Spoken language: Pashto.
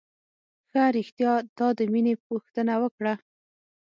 ښه رښتيا تا د مينې پوښتنه وکړه.